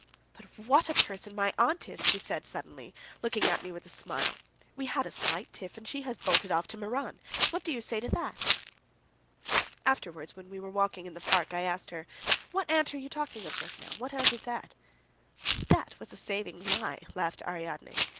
"But what a person my aunt is!" she said suddenly, looking at me with a smile. "We had a slight tiff, and she has bolted off to Meran. What do you say to that?" Afterwards when we were walking in the park I asked her: "What aunt were you talking of just now? What aunt is that?" "That was a saving lie," laughed Ariadne.